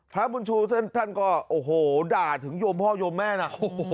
พระบุญชูท่านก็โอ้โหด่าถึงโยมพ่อโยมแม่นะ